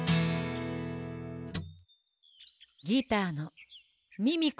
ギターのミミコよ！